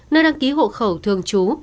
nơi đăng ký hộ khẩu thường chú